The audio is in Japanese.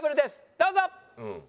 どうぞ。